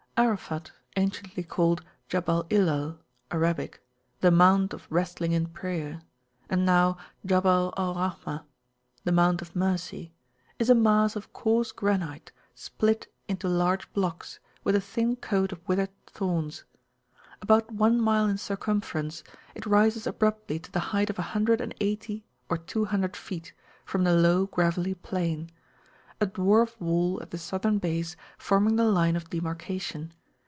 Arafat, anciently called Jabal Ilal ([Arabic]), the Mount [p.187] of Wrestling in Prayer, and now Jabal al Rahmah, the Mount of Mercy, is a mass of coarse granite split into large blocks, with a thin coat of withered thorns. About one mile in circumference, it rises abruptly to the height of a hundred and eighty or two hundred feet, from the low gravelly plaina dwarf wall at the Southern base forming the line of demarcation.